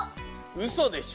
うそでしょ。